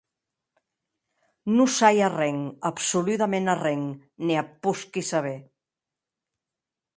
Non sai arren, absoludaments arren, ne ac posqui saber.